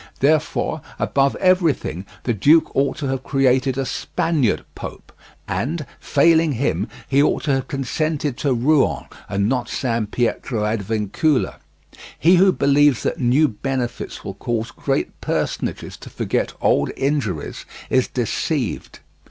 Therefore, above everything, the duke ought to have created a Spaniard Pope, and, failing him, he ought to have consented to Rouen and not San Pietro ad Vincula. He who believes that new benefits will cause great personages to forget old injuries is deceived.